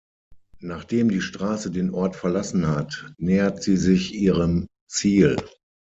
Nachdem die Straße den Ort verlassen hat, nähert sie sich ihrem Ziel.